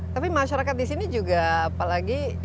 tapi masyarakat di sini juga apalagi